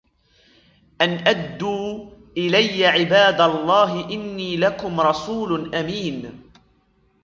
أن أدوا إلي عباد الله إني لكم رسول أمين